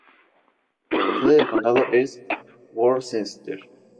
La sede del condado es Worcester.